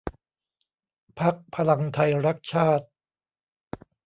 พรรคพลังไทยรักชาติ